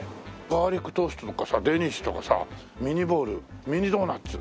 ガーリックトーストとかさデニッシュとかさミニボールミニドーナツ。